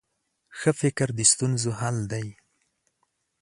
ښه فکر د ستونزو حل دی.